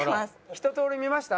ひととおり見ました？